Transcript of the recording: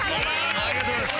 ありがとうございます。